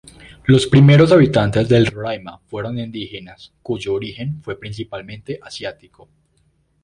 Los primeros habitantes del Roraima fueron indígenas cuyo origen fue principalmente asiático.